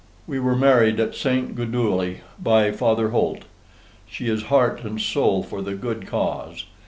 We were married at St. Gudule, by Father Holt. She is heart and soul for the GOOD CAUSE.